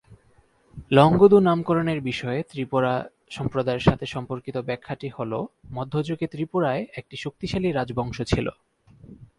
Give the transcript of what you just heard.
লংগদু নামকরণের বিষয়ে ত্রিপুরা সম্প্রদায়ের সাথে সম্পর্কিত ব্যাখ্যাটি হল, মধ্যযুগে ত্রিপুরায় একটি শক্তিশালী রাজবংশ ছিল।